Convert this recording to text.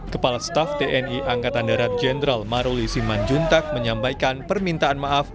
kepala staff tni angkatan darat jenderal maruli siman juntak menyampaikan permintaan maaf